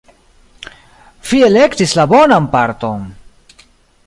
Vi elektis la bonan parton!